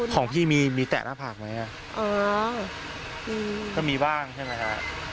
ของพี่มีแต่หน้าผากไหมก็มีบ้างใช่ไหมค่ะ